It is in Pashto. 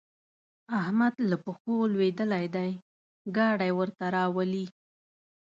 احمد له پښو لوېدلی دی؛ ګاډی ورته راولي.